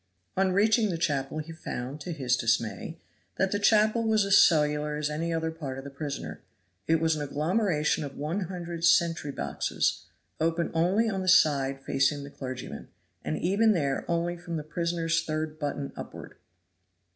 On reaching the chapel he found, to his dismay, that the chapel was as cellular as any other part of the prison; it was an agglomeration of one hundred sentry boxes, open only on the side facing the clergyman, and even there only from the prisoner's third button upward.